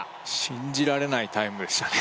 信じられないタイムでしたね